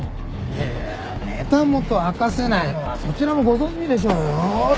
いやいやいやネタ元明かせないのはそちらもご存じでしょうよ。